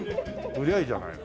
売りゃあいいじゃないの。